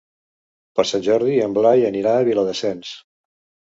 Per Sant Jordi en Blai anirà a Viladasens.